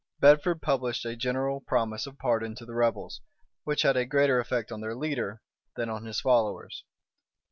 Bedford published a general promise of pardon to the rebels, which had a greater effect on their leader than on his followers.